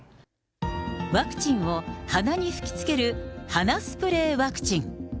ワクチンを鼻に吹きつける鼻スプレーワクチン。